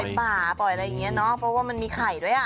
ไปปล่อยป่าปล่อยอะไรแบบนี้นะเพราะมันมีไข่ด้วย